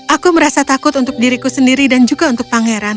aku merasa takut untuk diriku sendiri dan juga untuk pangeran